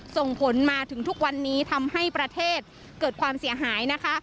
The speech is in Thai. ส่งผลมาถึงทุกวันนี้ทำให้ประเทศเกิดความเสียหายนะคะ